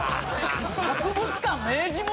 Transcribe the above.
博物館明治村？